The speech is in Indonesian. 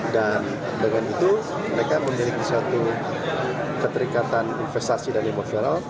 dan dengan itu mereka memiliki suatu keterikatan investasi dan emosional